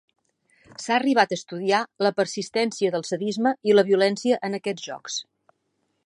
S'ha arribat a estudiar la persistència del sadisme i la violència en aquests jocs.